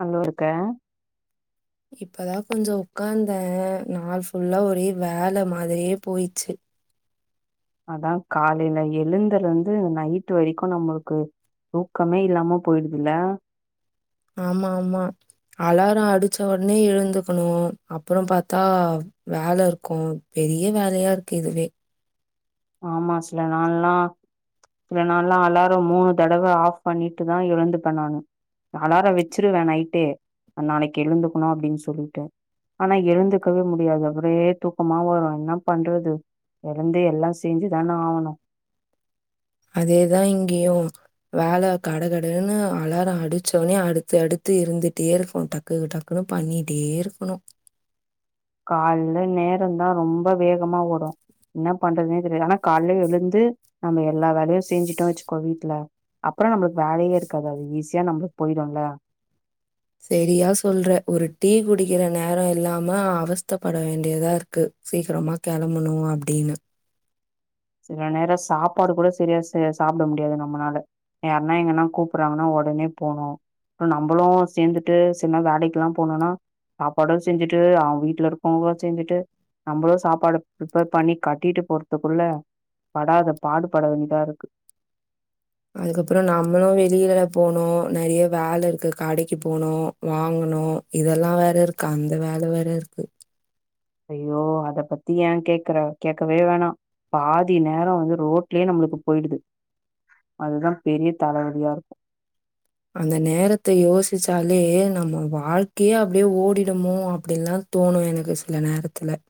நல்லு இருக்க இப்பதா கொஞ்ச உக்காந்த நாள் ஃபுல்லா ஒரே வேல மாதிரியே போயிச்சு அதா காலையில எழுந்தலந்து நைட்டு வரிக்கு நம்மளுக்கு தூக்கமே இல்லாம போயிடுதுல்ல ஆமா ஆமா அலாரோ அடிச்ச ஒடனே எழுந்துக்குணு அப்றோ பாத்தா வேல இருக்கு பெரிய வேலையா இருக்கு இதுவே ஆமா சில நாள்ல்லா சில நாள்ல்லா அலாரோ மூணு தடவ ஆஃப் பண்ணிட்டுதா எழுந்துப்பே நானு அலாரோ வெச்சுருவே நைட்டே நாளைக் எழுந்துக்கணு அப்டின்னு சொல்லிட்டு ஆனா எழுந்துக்கவே முடியாது ஒரே தூக்கமா வரு என்னா பண்றது எழுந்து எல்லா செஞ்சு தானே ஆவணு அதேதா இங்கேயு வேல கட கடன்னு அலார அடிச்சவனே அடுத்அடுத்து இருந்துட்டே இருக்கு டக்கு டக்குன்னு பண்ணிட்டே இருக்கணு கால்லல நேரந்தா ரொம்ப வேகமா ஓடு என்ன பண்றதுனே தெரில்ல ஆனா கால்யே எழுந்து நம்ம எல்லா வேலையு செஞ்சுட்டோ வச்சுக்க வீட்ல அப்றோ நம்ளுக்கு வேலையே இருக்காது அது ஈஸியா நம்ளுக்கு போயிடுல சரியா சொல்றே ஒரு டீ குடிக்கிற நேரோ இல்லாம அவஸ்தப்பட வேண்டியதாருக்கு சீக்கிரமா கெளம்பணு அப்டின்னு சில நேரோ சாப்பாடு கூட சரியா ச சாப்ட முடியாது நம்மனால யார்னா எங்கனா கூப்பறாங்கனா உடனே போணு நம்மளு சேந்துட்டு சும்மா வேலைக்கெலா போனுனா சாப்பாடூ செஞ்சுட்டு அவங்க வீட்ல இருக்கவங்க செஞ்சுட்டு நம்பளு சாப்பாடு ப்ரிப்பேர் பண்ணி கட்டிட்டு போற்த்துக்குள்ள படாதப்பாடு பட வேண்டிதா இருக்கு அதுக்கப்றோ நாம்மளு வெளியிலலா போனு, நெறைய வேலை இருக்கு கடைக்கு போனு வாங்ணு இதெல்லா வேற இருக்கு அந்த வேல வேற இருக்கு ஐயோ அத பத்தி ஏ கேக்குற கேக்கவே வேணா பாதி நேரோ வந்து ரோட்லயே நம்மளுக்கு போயிடுது அதுதா பெரிய தலவலியா இருக்கு அந்த நேரத்த யோசிச்சாலே நம்ம வாழ்க்கையே அப்டியே ஓடிடுமோ அப்டின்ல்லா தோணு எனக்கு சில நேரத்தில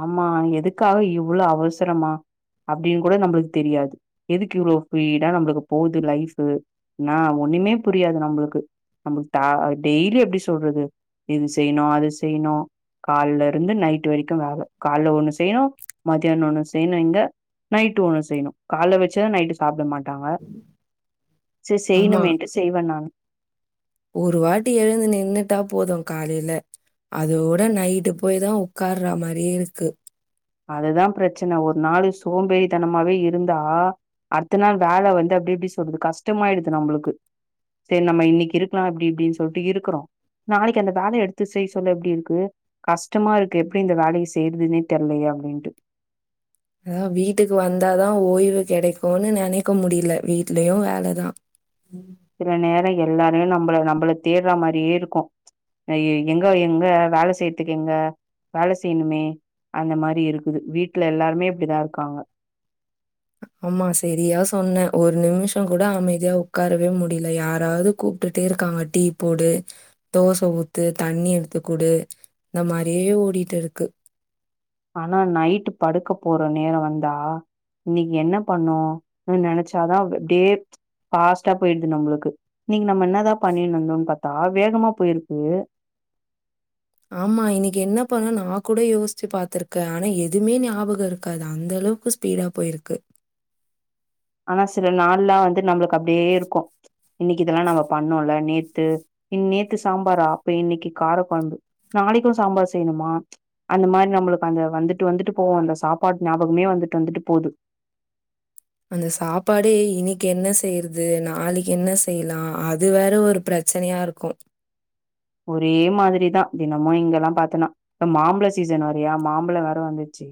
ஆமா நீ எதுக்காக இவ்வளோ அவசரமா அப்டின்னு கூட நம்பளுக்கு தெரியாது எதுக்கு இவ்ளோ ஸ்பீடா நம்மளுக்கு போகுது லைஃப் நா ஒண்ணுமே புரியாது நம்மளுக்கு நமக் டா டெய்லி எப்டி சொல்றது இது செய்ணு அது செய்ணு கால்ல இருந்து நைட்டு வரைக்கு வேல, கால்ல ஒண்ணு செய்யணு மதியானம் ஒண்ணு செய்யணு இங்க நைட் ஒண்ணு செய்யணு காலைல வச்சத நைட்டு சாப்ட மாட்டாங்க சேரி ஆமா. செய்யனுமேன்ட்டு செய்வே நானு ஒரு வாட்டி எழுந்து நின்னுட்டா போது காலில அதோட நைட்டு போய் தா உக்காற மாரியே இருக்கு அதுதா பிரச்சன ஒரு நாளு சோம்பேறி தனமாவே இருந்தா அடுத்த நாள் வேலை வந்து அப்டி எப்டி சொல்றது கஷ்டமாயிடுது நம்மளுக்கு சேரி நம்ம இன்னைக்கி இருக்கலா இப்டி இப்டின்னு சொல்ட்டு இருக்கிறோ நாளைக்கு அந்த வேலய எடுத்துச் செய்ய சொல்ல எப்டி இருக்கு கஷ்டமா இருக்கு எப்படி இந்த வேலைய செய்றதுன்னே தெரிலையே அப்டின்ட்டு அதா வீட்டுக்கு வந்தாதா ஓய்வு கெடைக்குனு நெனைக்க முடில வீட்லயு வேலைதா ம் சில நேர எல்லாருமே நம்பள நம்பள தேடுற மாரியே இருக்கு ஐயோ, எங்க எங்க வேலை செய்யறத்துக்கு எங்க வேலை செய்யணுமே அந்த மாரி இருக்குது வீட்ல எல்லாருமே இப்டிதா இருக்காங்க ஆமா செரியா சொன்னே ஒரு நிமிஷ கூட அமைதியா உக்காரவே முடில யாராவது கூப்டுட்டே இருக்காங்க டீ போடு தோச ஊத்து தண்ணி எடுத்து குடு இந்த மாரியே ஓடிட்டு இருக்கு ஆனா நைட்டு படுக்க போற நேரோ வந்தா இன்னிக்கி என்ன பண்ணோ அப்டி நெனச்சாதா அப்டே ஃபாஸ்ட்டா போயிட்து நம்முளுக்கு இன்னிக்கி நம்ம என்னதா பண்ணிணு இருந்தோனு பாத்தா வேகமா போயிருக்கு ஆமா இன்னிக்கி என்ன பண்ண நா கூட யோஸ்ச்சு பாத்துருக்க ஆனா எதுமே ஞாபகோ இருக்காது அந்த அளவுக்கு ஸ்பீடா போயிருக்கு ஆனா சில நாள்லா வந்து நம்புளுக்கு அப்டியே இருக்கு இன்னிக்கு இதெல்லா நம்ம பண்ணோல நேத்து இ நேத்து சாம்பாரா அப்ப இன்னிக்கி கார கொழம்பு நாளைக்கும் சாம்பார் செய்ணுமா அந்த மாரி நம்மளுக்கு அந்த வந்துட்டு வந்துட்டு போவு அந்த சாப்பாட் ஞாபகமே வந்துட்டு வந்துட்டு போது அந்த சாப்பாடே இன்னிக்கு என்ன செய்றது நாளைக்கு என்ன செய்லா அது வேற ஒரு பிரச் பிரச்னையா இருக்கு ஒரே மாதிரி தா தினமு இங்கெல்லா பாத்தனா இப்ப மாம்பழ சீசன் வேறயா மாம்பழோ வேற வந்துச்சி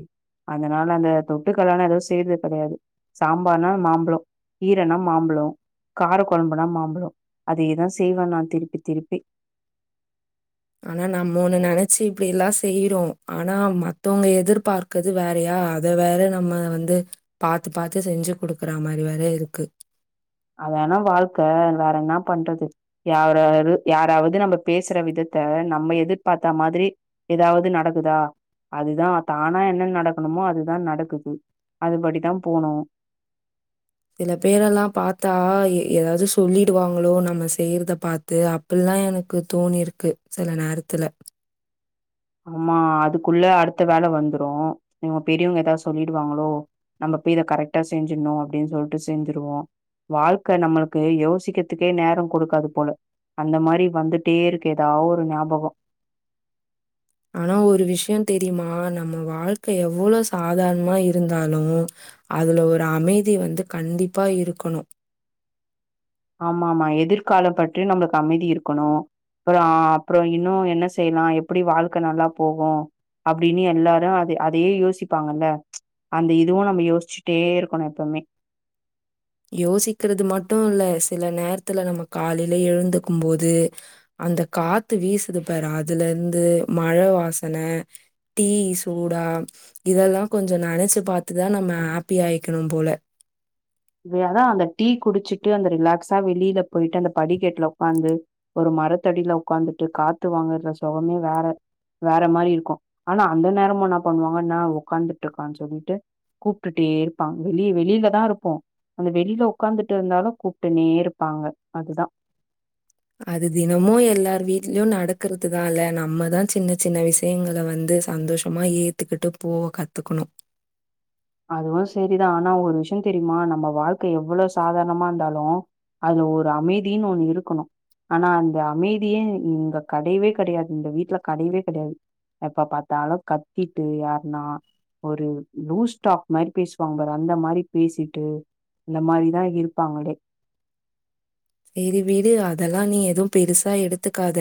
அதனால அந்த தொட்டுக்கலா நா எதுவு செய்றது கெடயாது சாம்பார்னா மாம்பழோ கீரனா மாம்பழோ கார கொழம்புனா மாம்பழோ அதேதா செய்வ நா திருப்பி திருப்பி ஆனா நம்ம ஒன்னு நெனச்சி இப்டி எல்லா செய்றோ ஆனா மத்தவங்க எதிர்பார்க் கறது வேறயா அத வேற நம்ம வந்து பாத்து பாத்து செஞ்சி குடுக்குற மாரி வேற இருக்கு அதனா வாழ்க்க வேற என்ன பண்றது யாராது யாராவது நம்ம பேசுற விதத்த நம்ம எதிர்பாத்த மாதிரி எதாவ்து நடக்குதா அதுதா தானா என்ன நடக்கணுமோ அதுதா நடக்குது அதுபடிதா போணு சில பேரெல்லா பாத்தா எதாவ்து சொல்லிடுவாங்களோ நம்ம செய்யறத பாத் து அப்புல்லா எனக்கு தோணிருக்கு சில நேரத்துல ஆமா அதுக்குள்ள அடுத்த வேல வந்துரு இவங்க பெரியவங்க எதா சொல்லிடுவாங்களோ நம்ப போய் இத கரெக்டா செஞ்சின்னோ அப்டின் சொல்ட்டு செஞ்சுருவோ வாழ்க்க நம்ளுக்கு யோசிக்கற்துக்கே நேரோ குடுக்காது போல அந்த மாரி வந்துட்டே இருக்கு ஏதா ஒரு ஞாபகோ ஆனா ஒரு விஷியோ தெரிமா நம்ம வாழ்க்க எவ்ளோ சாதாரணமா இருந்தாலு அதுல ஒரு அமைதி வந்து கண்டிப்பா இருக்கணு ஆமா ஆமா எதிர்கால பற்றி நம்ளுக்கு அமைதி இருக்கணு அப்றோ அப்றோ இன்னு என்ன செய்லா எப்டி வாழ்க்க நல்லா போகு அப்டின் எல்லாரு அத அதயே யோசிப்பாங்கல்ல அந்த இதுவு நம்ம யோஸ்ச்சிட்டே இருக்கணு எப்போமே யோசிக்கிறது மட்டு இல்ல சில நேரத்துல நம்ம காலில எழுந்துக்கு போது அந்த காத்து வீசுது பாரு அதுல இருந்து மழ வாசன டீ சூடா இதெல்லா கொஞ்சோ நெனச்சி பாத்து தா நம்ம ஹாப்பியா ஆய்க்கணு போல ஏன்னா அந்த டீ குடிச்சிட்டு அந்த ரிலாக்ஸா வெளில போயிட்டு அந்த படிக்கெட்ல உக்காந்து ஒரு மரத்தடில உக்காந்துட்டு காத்து வாங்கற சொகமே வேற வேற மாரி இருக்கு ஆனா அந்த நேரமு என்ன பண்ணுவாங்கனா ஒக்காந்துட்டு இருக்கான் சொல்லிட்டு கூப்டுட்டே இருப்பா வெளிய வெளில தா இருப்போ அந்த வெளில உக்காந்துட்டு இருந்தாலு கூப்ட்டுன்னே இருப்பாங்க அதுதா அது தினமு எல்லார் வீட்லயு நடக்கறதுதா இல்ல நம்மதா சின்ன சின்ன விஷயங்கள வந்து சந்தோஷ் அப்றமா ஏத்துக்கிட்டு போவ கத்துக்கணு அதுவு செரிதா ஆனா ஒரு விஷ்யோ தெரிமா நம்ம வாழ்க்க எவ்ளோ சாதாரணமா இருந்தாலு அதுல ஒரு அமைதியின்னு ஒன்னு இருக்கணு ஆனா அந்த அமைதியே இங்க கடையவே கடையாது இந்த வீட்ல கடையவே கடையாது எப்ப பாத்தாலு கத்திட்டு யார்ன்னா ஒரு லூஸ் டாப் மாரி பேசுவாங்க பாரு அந்த மாரி பேசிட்டு அந்த மாரிதா இருப்பாங்களே செரி வீடு அதெல்லா நீ எதுவு பெருசா எடுத்துக்காத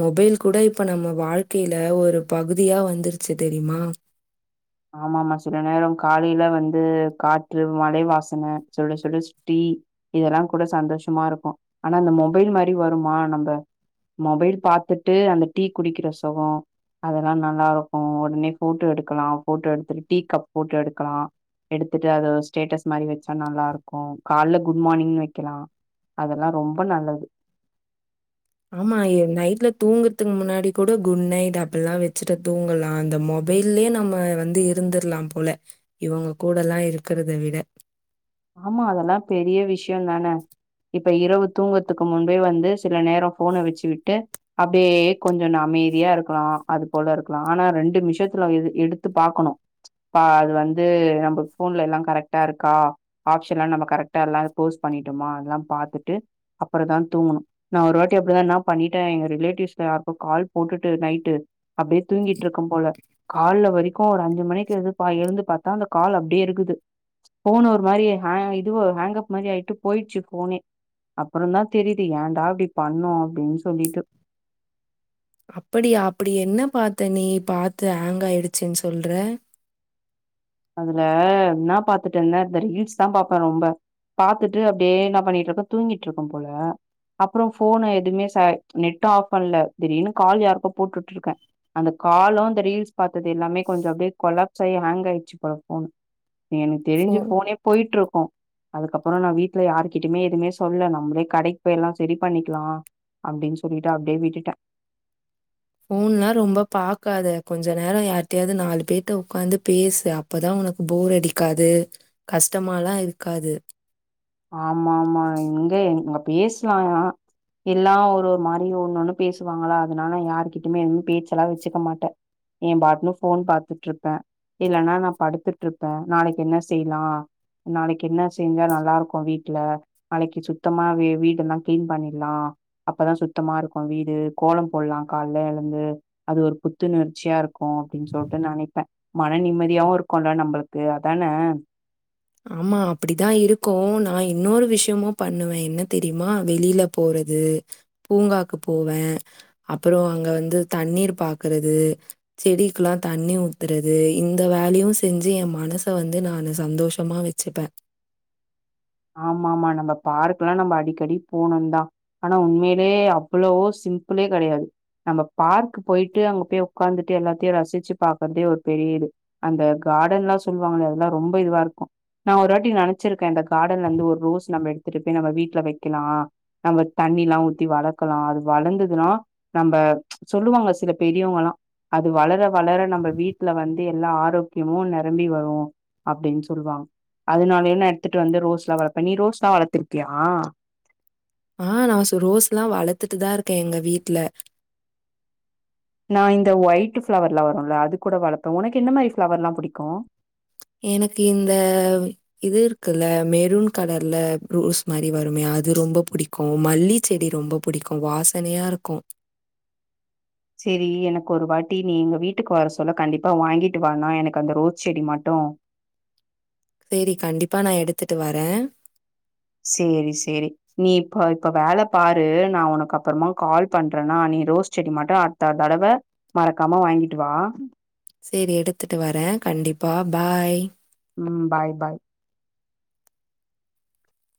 மொபைல் கூட இப்ப நம்ம வாழ்க்கையில ஒரு பகுதியா வந்துருச்சி தெரிமா ஆமாமா சில நேரம் காலையில வந்து காற்று மழை வாசன சுட சுட டீ இதெல்லா கூட சந்தோஷமா இருக்கு ஆனா இந்த மொபைல்மாரி வருமா நம்ப மொபைல் பாத்துட்டு அந்த டீ குடிக்கிற சொகோ அதெல்லாம் நல்லா இருக்கும் உடனே போட்டோ எடுக்கலாம் போட்டோ எடுத்துட்டு டீ கப் போட்டோ எடுக்கலாம் எடுத்துட்டு அத ஸ்டேட்டஸ் மாதிரி வச்சா நல்லா இருக்கும் கால்ல குட் மார்னிங்னு வெக்கலாம். அதெல்லா ரொம்ப நல்லது ஆமா ஏ நைட்ல தூங்குறதுக்கு முன்னாடி கூட குட் நைட் அப்பில்லா வச்சுட்டு தூங்கலா அந்த மாரி வெயிலே நம்ம வந்து இருந்துர்லா போல இவங்க கூடெல்லா இருக்கிறத விட ஆமா அதெல்லா பெரிய விஷய தானே இப்ப இரவு தூங்கறதுக்கு முன்பே வந்து சில நேர ஃபோன் அடிச்சு விட்டு அப்படியே கொஞ்சோ நா அமைதியா இருக்கலாம் அது போல இருக்கலாம் ஆனா ரெண்டு மிஷத்துல எடு எடுத்து பாக்கணோ ப்பா அது வந்து நம்ம போன்ல எல்லா கரெக்டா இருக்கா ஆப்ஷன்ல்லா நம்ம கரெக்டா எல்லா போஸ் பண்ணிட்டோமா அதெல்லாம் பாத்துட்டு அப்புறோ தா தூங்கணூ நான் ஒரு வாட்டி அப்படிதா என்ன பண்ணிட்டே எங்க ரிலேட்டிவ்ஸ்ல யாருக்கோ கால் போட்டுட்டு நைட்டு அப்படியே தூங்கிட்டு இருக்கும் போல கால்ல வரைக்கும் ஒரு அஞ்சு மணிக்கு எழு பா எழுந்து பார்த்தா அந்த கால் அப்படியே இருக்குது போன் ஒரு ஒரு மாரி ஹா இது ஹேங்கப் மாதிரி ஆயிட்டு போயிடுச்சு போனே அப்புறந் தா தெரியுது ஏன்டா இப்படி பண்ணோ அப்படின் சொல்லிட்டு அப்படியா அப்படி என்ன பாத்த நீ பாத்து ஹேங் ஆயிடுச்சுன்னு சொல்ற அதுல என்னா பார்த்துட்டிருந்தே இந்த ரீல்ஸ் தா பார்ப்பே ரொம்ப பாத்துட்டு அப்படியே என்ன பண்ணிட்டுருப்போ தூங்கிட்டு இருக்கோ போல அப்புறோ ஃபோன் எதுவுமே செ நெட்டூ ஆஃப் பண்ல திடீர்னு கால் யாருக்கோ போட்டுட்டு இருக்கே அந்த காலும் அந்த ரீல்ஸ் பார்த்தது எல்லாமே கொஞ்சே அப்டியே கொலாப்ஸ் ஆயி ஹேங்க் ஆயிச்சி அப்புற ஃபோனு நீ எனக்கு ஃபோ தெரிஞ்சு போனே போயிட்டுருக்கோ அதுக்கப்புறோ நா வீட்டுல யாருகிட்டயுமே எதுவுமே சொல்ல நாம்மளே கடைக்கு போய்ல்லா சரி பண்ணிக்கலா அப்படின்னு சொல்லிட்டு அப்படியே விட்டுட்டே போன்லா ரொம்ப பாக்காத கொஞ்ச நேரம் யார்ட்டையாவது நாலு பேர்ட்ட உட்காந்து பேசு அப் அப்பதா உனக்கு போர் அடிக்காது கஷ்டமாலா இருக்காது ஆமா ஆமா இங்க இங் பேசுனாங்லா எல்லா ஒரு ஒரு மாதிரி ஒண்ணு ஒண்ணு பேசுவாங்களா அதனால யாருகிட்டமே எதூ பேச்சல்லா வச்சுக்க மாட்டே ஏ பாட்ன்னு ஃபோன் பாத்துட்ருப்பே இல்லன்னா நா படுத்துட்ருப்பே நாளைக்கி என்ன செய்லா நாளைக்கு என்ன செஞ்சா நல்லா இருக் கோ வீட்ல நாளைக்கி சுத்தமா வீ வீடெல்லா கிளீன் பண்ணிட்லா அப்பதா சுத்தமா இருக்கோ வீடு கோலம் போட்லா கால்ல எழுந்து அது ஒரு புத்துணர்ச்சியா இருக்கோ அப்படின்னு சொல்ட்டு நெனைப்பே மன நிம்மதியாவூ இருக்கோ இல்ல நம்மளுக்கு அதானே ஆமா அப்படித்தா இருக்கோ நா இன்னொரு விஷயமும் பண்ணுவே என்ன தெரியுமா வெளியில போறது பூங்காக்கு போவே அப்புறோ அங்க வந்து தண்ணீர் பாக்குறது செடிக்குல்லா தண்ணி ஊத்துறது இந்த வேலையும் செஞ்சு என் மனச வந்து நானு சந்தோஷ் செம்மா வச்சுருப்பே ஆமா ஆமா நம்ம பார்க்ல்லா நம்ம அடிக்கடி போனும்தா ஆனா உண்மையிலயே அவ்ளோவோ சிம்புளே கெடையாது நம்ம பார்க்கு போயிட்டு அங்க போய் உட்கார்ந்துட்டு எல்லாத்தையும் ரசிச்சு பாக்குறதே ஒரு பெரிய இது அந்த கார்டன்ல்லா சொல்லுவாங்களே அதெல்லா ரொம்ப இதுவா இருக்கோ நா ஒரு வாட்டி நெனைச்சிருக்கே அந்தக் கார்டன்ல இருந்து ஒரு ரோஸ் நம்ம எடுத்துட்டு போய் நம்ம வீட்ல வைக்கலா நம்ம தண்ணில்லாம் ஊத்தி வளர்க்கலா அது வளர்ந்துதுனா நம்ப சொல்லுவாங்க சில பெரியவங்களா அது வளர வளர நம்ம வீட்டல வந்து எல்லா ஆரோக்கியமு நெரம்பி வரு அப்படின் சொல்வாங்க அதுனாலயே ந எடுத்துட்டு வந்து ரோஸ்ல்லா வளப்ப நீ ரோஸ்ல்லா வளத்திருக்கியா ஆ நா சோ ரோஸ் லா வளத்துட்டுதா இருக்க எங்க வீட்ல நா இந்த ஒய்ட்டு ஃப்ளவர் லா வருல்ல அது கூட வளப்ப உனக்கு என்ன மாரி ஃப்ளவர் எல்லா புடிக்கு எனக்கு இந்த இது இருக்குல்ல மெரூன் கலர்ல ரோஸ் மாரி வருமே அது ரொம்ப புடிக் கு மல்லி செடி ரொம்ப புடிக்கு வாசனையா இருக்கு சேரி எனக்கு ஒரு வாட்டி நீ எங்க வீட்டுக்கு வர சொல்ல கண்டிப்பா வாங்கிட்டு வா நா எனக்கு அந்த ரோஸ் செடி மட்டு சேரி கண்டிப்பா நா எடுத்துட்டு வர சேரி சேரி நீ இப்ப இப்ப வேல பாரு நா உனக்கு அப்புறமா கால் பண்றன்னா நீ ரோஸ் செடி மட்டு த தடவ மறக்காம வாங்கிட்டு வா சேர் எடுத்துட்டு வர கண்டிப்பா பாய் ம் பாய் பாய்